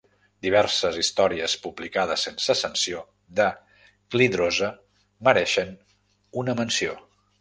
Diverses històries publicades sense sanció, de Glidrose, mereixen una menció.